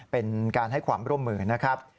เป็นการให้ความร่วมมือนะครับ